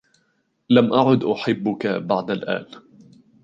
لم أعد أحبّك بعد الآن.